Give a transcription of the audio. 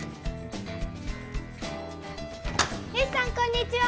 よしさんこんにちは。